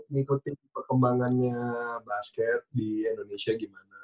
ngikutin perkembangannya basket di indonesia gimana